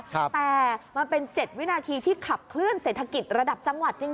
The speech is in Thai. แต่มันเป็น๗วินาทีที่ขับเคลื่อเศรษฐกิจระดับจังหวัดจริง